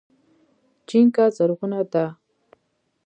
چينکه زرغونه ده